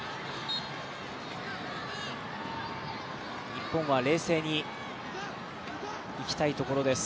日本は冷静にいきたいところです。